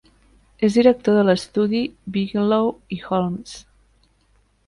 És director de l'estudi Bigelow i Holmes.